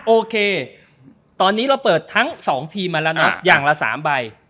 โอเคตอนนี้เราเปิดทั้ง๒ทีมมาแล้วนะอย่างละ๓ใบ